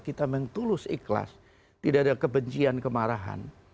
kita memang tulus ikhlas tidak ada kebencian kemarahan